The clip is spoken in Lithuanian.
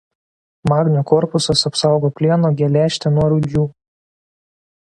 Magnio korpusas apsaugo plieno geležtę nuo rūdžių.